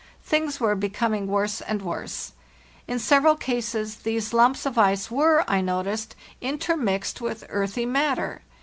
Things were becoming worse and worse. In several cases these lumps of ice were, I noticed, in termixed with earthy matter.